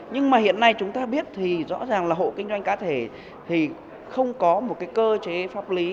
nhưng mà hiện nay chúng ta biết thì rõ ràng là hộ kinh doanh cá thể thì không có một cái cơ chế pháp lý